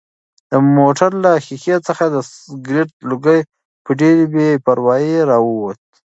د موټر له ښیښې څخه د سګرټ لوګی په ډېرې بې پروایۍ راووت.